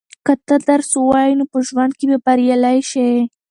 که ته درس ووایې نو په ژوند کې به بریالی شې.